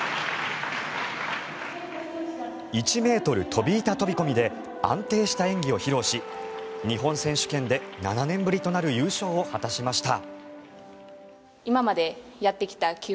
１ｍ飛板飛込で安定した演技を披露し日本選手権で７年ぶりとなる優勝を果たしました。